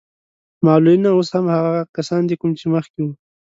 معلولين اوس هم هماغه کسان دي کوم چې مخکې وو.